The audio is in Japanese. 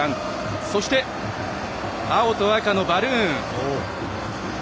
そして、青と赤のバルーン。